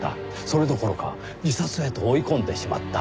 それどころか自殺へと追い込んでしまった。